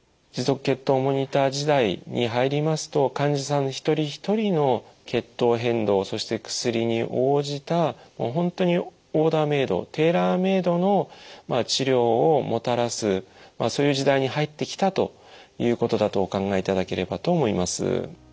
持続血糖モニター時代に入りますと患者さん一人一人の血糖変動そして薬に応じたもう本当にオーダーメードテーラーメードの治療をもたらすそういう時代に入ってきたということだとお考えいただければと思います。